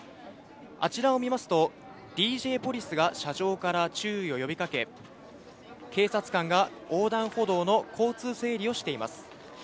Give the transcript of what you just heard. あちらを見ますと、ＤＪポリスが車上から注意を呼びかけ、警察官が横断歩道の交通整理をしています。